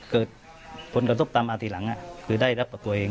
เกิดผลกระทบตามมาทีหลังคือได้รับกับตัวเอง